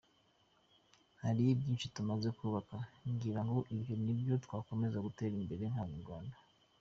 Hari byinshi tumaze kubaka ngira ngo ibyo ni byo twakomeza gutera imbere nk’abanyarwanda.